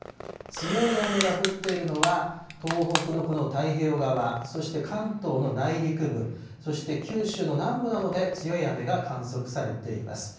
強い雨が降っているのは、東北のこの太平洋側、そして関東の内陸部、そして九州の南部などで強い雨が観測されています。